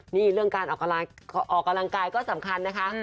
นี่เรื่องการออกกำลังกายก็สำคัญนะคะ